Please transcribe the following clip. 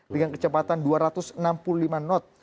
dengan kecepatan dua ratus enam puluh lima knot